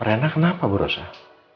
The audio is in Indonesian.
rena kenapa berusaha